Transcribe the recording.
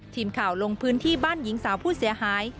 ทีมข่าวลงพื้นที่บ้านหญิงสาวผู้เสียหาย